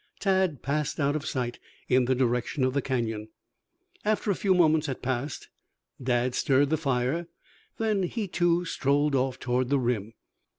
Tad passed out of sight in the direction of the Canyon. After a few moments had passed, Dad stirred the fire, then he too strolled off toward the rim.